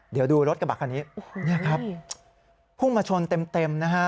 เดี๋ยวดูรถกระบะคันนี้พุ่งมาชนเต็มนะฮะ